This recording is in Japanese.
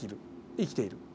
生きている。